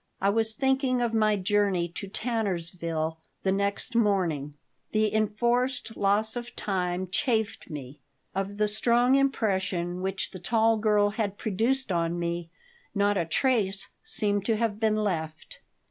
I was thinking of my journey to Tannersville the next morning. The enforced loss of time chafed me. Of the strong impression which the tall girl had produced on me not a trace seemed to have been left.